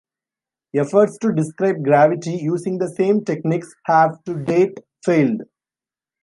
Efforts to describe gravity using the same techniques have, to date, failed.